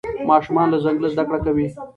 ماشومان له ځنګله زده کړه کوي.